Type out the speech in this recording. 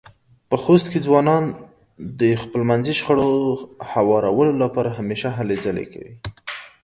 په خوست کې ځوانان د خپلمنځې شخړو خوارولو لپاره همېشه هلې ځلې کوي.